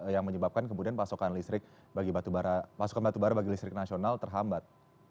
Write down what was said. yang menyebabkan kemudian pasokan batubara bagi listrik nasional terhambat